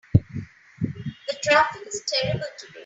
The traffic is terrible today.